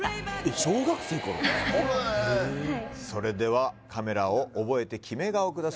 へえそれではカメラを覚えてキメ顔ください